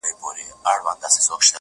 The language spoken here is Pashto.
ته زموږ زړونه را سپين غوندي کړه؛